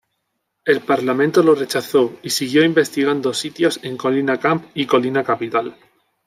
El Parlamento lo rechazó, y siguió investigando sitios en Colina Camp y Colina Capital.